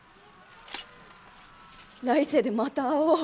来世でまた会おう。